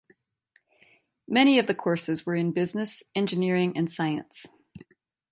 Many of the courses were in business, engineering and science.